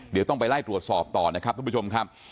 เดี๋ยวต้องไปไล่ตรวจสอบต่อนะครับทุกผู้ชมครับ